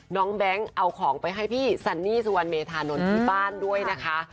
แบงค์เอาของไปให้พี่ซันนี่สุวรรณเมธานนท์ที่บ้านด้วยนะคะ